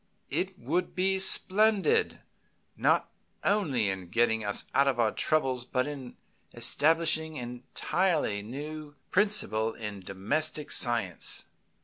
It would be splendid, not only in getting us out of our troubles, but in establishing an entirely new principle in domestic science.